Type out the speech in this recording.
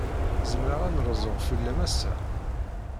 Zemreɣ ad n-rzuɣ fell-am ass-a?